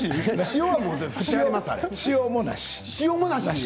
塩もなし。